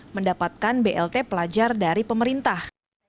mendapatkan blt pelajar dari pemerintah